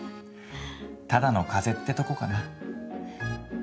ただの風邪ってとこかな